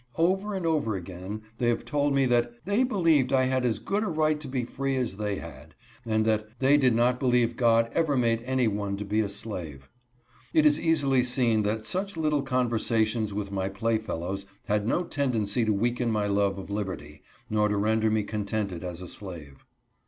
Over and over again, they have told me that " they believed I had as good a right to be free as they had," and that " they did not believe God ever made any one to be a slave." It is easily seen that such little conversations with my playfellows had no tendency to weaken my love of liberty, nor to render me contented as a slave.